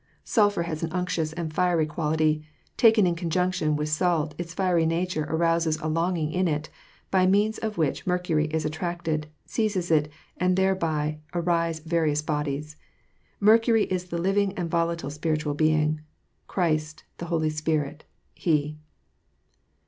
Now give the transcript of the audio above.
Sulphur has an unc tioQS and fiery quality; taken in conjunction with salt, its fiery nature arouses a longing in it, by means of which mercury is attracted, seizes it, and thereby ari^ various bodies. Mercury is the living and volatile, spiritual being, — Christ, the Holy Spirit, Be.